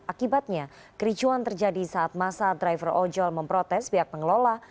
akibatnya kericuan terjadi saat masa driver ojol memprotes pihak pengelola